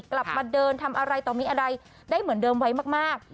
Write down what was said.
กลับมาเดินทำอะไรต่อมีอะไรได้เหมือนเดิมไว้มาก